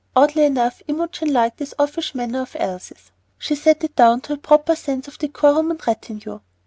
Oddly enough, Imogen liked this offish manner of Elsie's. She set it down to a proper sense of decorum and retenue.